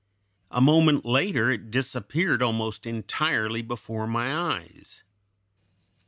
A moment later it disappeared almost entirely before my eyes.